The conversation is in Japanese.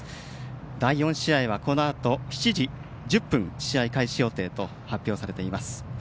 第４試合はこのあと７時１０分試合開始予定と発表されています。